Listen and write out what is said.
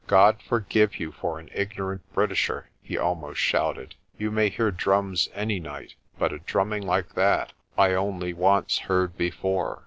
"God forgive you for an ignorant Britisher!" he al most shouted. "You may hear drums any night, but a drum ming like that I only once heard before.